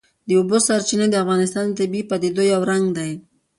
د اوبو سرچینې د افغانستان د طبیعي پدیدو یو رنګ دی.